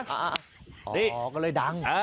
อ๋อก็เลยรัก